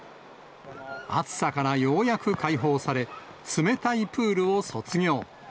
暑さからようやく解放され、冷たいプールを卒業。